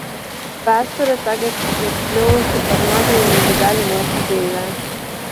Vēsture tagad ir kļuvusi par nozīmīgu daļu mūsu dzīvē.